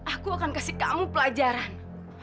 aku akan kasih kamu pelajaran